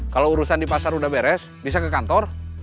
kalau urusan di pasar udah beres bisa ke kantor